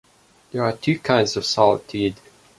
There are two kinds of solitude.